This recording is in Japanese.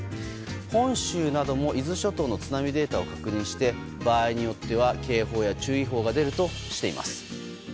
本州なども伊豆諸島の津波データを確認して場合によっては警報や注意報が出るとしています。